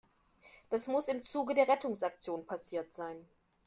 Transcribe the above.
Das muss im Zuge der Rettungsaktion passiert sein.